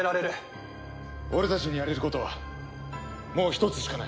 俺たちにやれることはもう一つしかない。